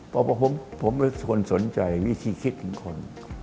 ผมเป็นคนสนใจวิธีคิดถึงคน